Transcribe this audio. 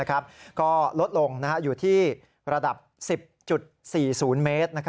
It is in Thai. ก็ลดลงอยู่ที่ระดับ๑๐๔๐เมตร